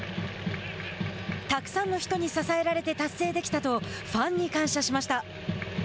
たくさんの人に支えられて達成できたと、ファンに感謝しました。